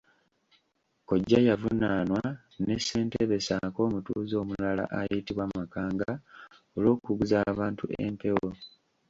Kkojja yavunaanwa ne Ssentebe ssaako omutuuze omulala ayitibwa Makanga olw'okuguza abantu empewo.